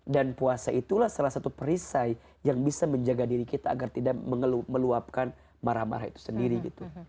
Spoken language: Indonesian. dan puasa itulah salah satu perisai yang bisa menjaga diri kita agar tidak meluapkan marah marah itu sendiri gitu